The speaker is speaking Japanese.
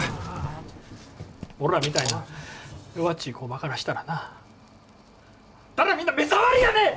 俺らみたいな弱っちい工場からしたらなあんたらみんな目障りやねん！